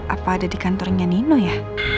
apa ada di kantornya nino ya